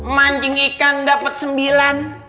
mancing ikan dapet sembilan